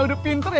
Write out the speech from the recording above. udah pinter ya